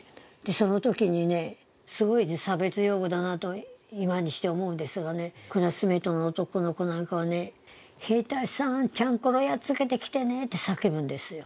そのときにすごい差別用語だと今にして思うんですがクラスメートの男の子なんかは兵隊さん、ちゃんころやっつけてねと叫ぶんですよ。